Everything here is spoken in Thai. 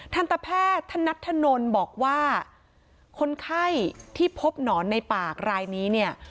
ทันตแพทย์ธนัทธนลบอกว่าคนไข้ที่พบหนอนในปากรายนี้เนี่ย